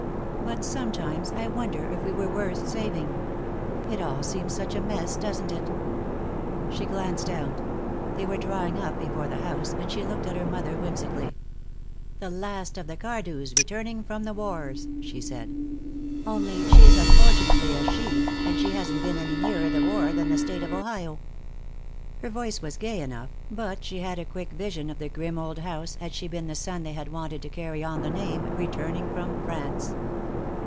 But sometimes I wonder if we were worth saving. It all seems such a mess, doesn't it?" She glanced out. They were drawing up before the house, and she looked at her mother whimsically. "The last of the Cardews returning from the wars!" she said. "Only she is unfortunately a she, and she hasn't been any nearer the war than the State of Ohio." Her voice was gay enough, but she had a quick vision of the grim old house had she been the son they had wanted to carry on the name, returning from France.